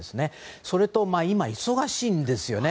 それと今、忙しいんですよね。